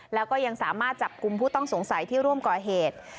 แล้วก็ยังสามารถจับกลุ่มผู้ต้องสงสัยที่ร่วมก่อเหตุ